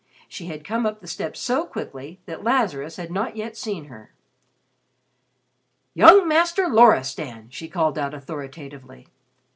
She had come up the steps so quickly that Lazarus had not yet seen her. "Young Master Loristan!" she called out authoritatively.